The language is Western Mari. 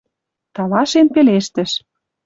Талашен пелештӹш: